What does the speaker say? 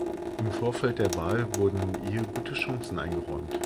Im Vorfeld der Wahl wurden ihr gute Chancen eingeräumt.